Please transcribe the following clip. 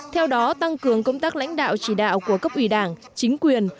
theo đó tăng cường công tác lãnh đạo chỉ đạo của cấp ủy đảng chính quyền